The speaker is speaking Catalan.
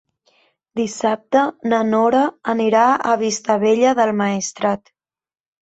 Dissabte na Nora anirà a Vistabella del Maestrat.